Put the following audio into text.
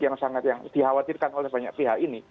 yang sangat yang dikhawatirkan oleh banyak pihak ini